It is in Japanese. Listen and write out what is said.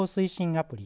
アプリ